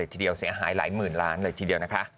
เสียหายหลายหมื่นล้านหลายทีเดียวนะคะ